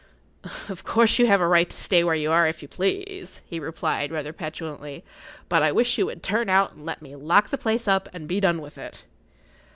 "Of course you have a right to stay where you are if you please," he replied, rather petulantly; "but I wish you would turn out and let me lock the place up, and be done with it."